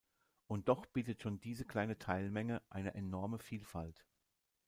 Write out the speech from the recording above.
Und doch bietet schon diese kleine Teilmenge eine enorme Vielfalt.